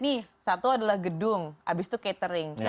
nih satu adalah gedung abis itu catering